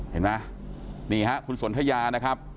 เห็นไหมนี่ฮะคุณสนทยานะครับ